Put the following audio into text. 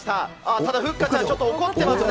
ただ、ふっかちゃん、ちょっと怒ってますね。